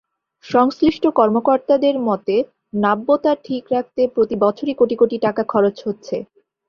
সংশ্লিষ্ট কর্মকর্তাদের মতে, নাব্যতা ঠিক রাখতে প্রতি বছরই কোটি কোটি টাকা খরচ হচ্ছে।